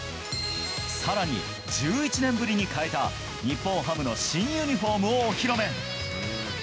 更に、１１年ぶりに変えた日本ハムの新ユニホームをお披露目。